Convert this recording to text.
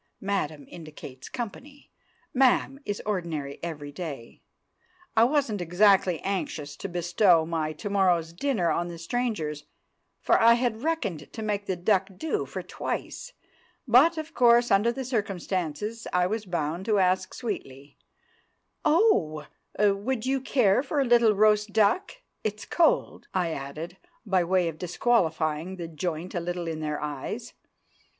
("Madam" indicates company; "ma'am" is ordinary every day.) I wasn't exactly anxious to bestow my to morrow's dinner on the strangers, for I had reckoned to make the duck do for twice; but, of course, under the circumstances, I was bound to ask sweetly, "Oh, would you care for a little roast duck? It's cold," I added, by way of disqualifying the joint a little in their eyes.